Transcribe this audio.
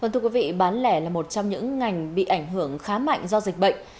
thưa quý vị bán lẻ là một trong những ngành bị ảnh hưởng khá mạnh do dịch bệnh